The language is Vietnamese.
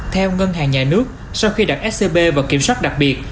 theo ngân hàng nhà nước sau khi đặt scb vào kiểm soát đặc biệt